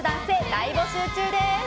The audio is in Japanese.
大募集中です。